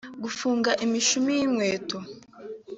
Gufunga imishumi y'inkweto